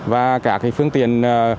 và các phương tiện